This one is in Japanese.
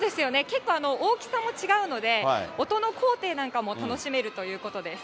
結構、大きさも違うので、音の高低なんかも楽しめるということです。